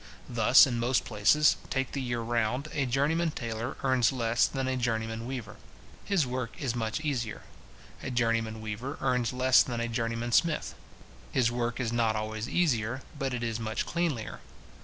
Thus in most places, take the year round, a journeyman tailor earns less than a journeyman weaver. His work is much easier. A journeyman weaver earns less than a journeyman smith. His work is not always easier, but it is much cleanlier.